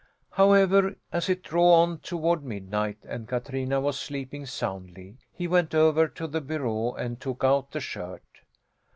However, as it drew on toward midnight and Katrina was sleeping soundly, he went over to the bureau and took out the shirt.